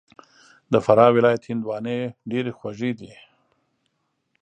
د فراه ولایت هندواڼې ډېري خوږي دي